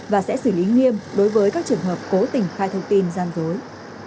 và sẽ xử lý nghiêm đối với các trường hợp cố tình khai thông tin gian dối